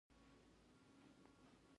مراد هلته د قتل په تور محاکمه شو.